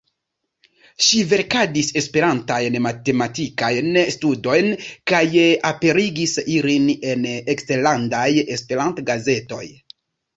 Ŝi verkadis Esperantajn matematikajn studojn kaj aperigis ilin en eksterlandaj Esperanto-gazetoj.